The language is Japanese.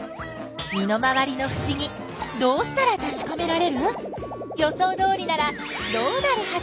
身の回りのふしぎどうしたらたしかめられる？予想どおりならどうなるはず？